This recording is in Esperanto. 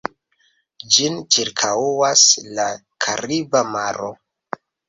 Ĝin ĉirkaŭas la Kariba Maro.